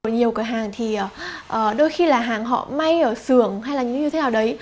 nhiều cửa hàng thì đôi khi là hàng họ may ở xưởng hay là như thế nào đấy